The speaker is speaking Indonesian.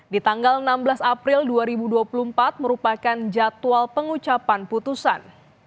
di tanggal enam belas april dua ribu dua puluh empat merupakan jadwal pengucapan putusan